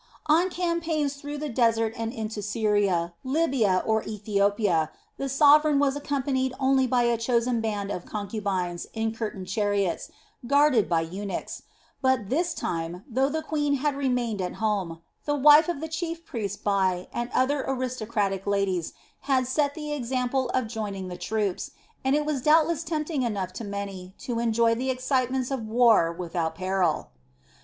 On campaigns through the desert and into Syria, Libya, or Ethiopia the sovereign was accompanied only by a chosen band of concubines in curtained chariots, guarded by eunuchs; but this time, though the queen had remained at home, the wife of the chief priest Bai and other aristocratic ladies had set the example of joining the troops, and it was doubtless tempting enough to many to enjoy the excitements of war without peril.